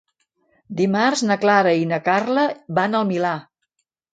Dimarts na Clara i na Carla van al Milà.